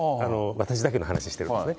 私だけの話してるんですね。